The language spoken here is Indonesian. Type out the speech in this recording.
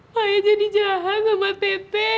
saya menjadi jahat dengan teteh